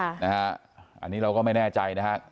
อันนี้เราก็ไม่แน่ใจนะครับ